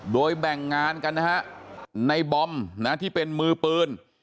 โดยแบ่งงานกันนะฮะในบอมนะที่เป็นมือปืน